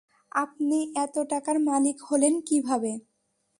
আপনি এত টাকার মালিক হলেন কিভাবে?